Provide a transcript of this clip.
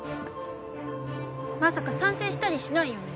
まさか賛成したりしないよね？